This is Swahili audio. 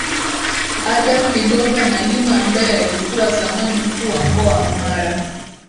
Adam Kigoma Malima ambaye alikuwa zamani Mkuu wa mkoa wa Mara